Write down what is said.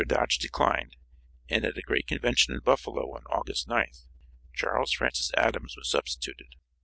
Dodge declined, and at a great convention in Buffalo on August 9th, Charles Francis Adams was substituted.